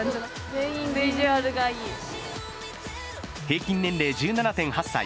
平均年齢１７．８歳。